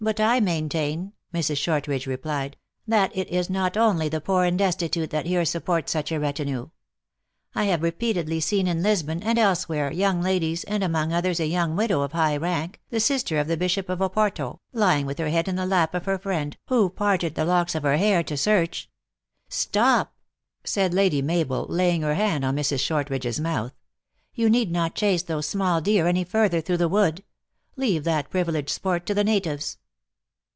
" But I maintain," Mrs. Shortridge replied, " that it is not only the poor and destitute that here support such a retinue. I have repeatedly seen in Lisbon, and elsewhere, young ladies, and among others a young widow of high rank, the sister of the Bishop of Opor to, lying with her head in the lap of her friend, who parted the locks of her hair to search "" Stop !" said Lady Mabel, laying her hand on Mrs. Shortridge s mouth, " you need not chase those small deer any further through the wood. Leave that priv ileged sport to the natives."